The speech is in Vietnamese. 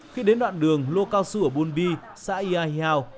khi đến đoạn đường lô cao xu ở bùn bi xã yai hiao